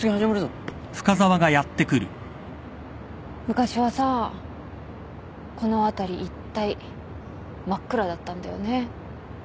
昔はさこの辺り一帯真っ暗だったんだよね。